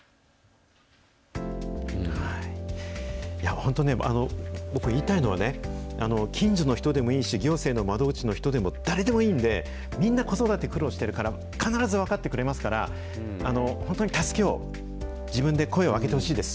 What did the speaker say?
本当ね、僕、言いたいのはね、近所の人でもいいし、行政の窓口の人でも誰でもいいんで、みんな孤育て苦労してるから、必ず分かってくれますから、本当に助けを、自分で声を上げてほしいです。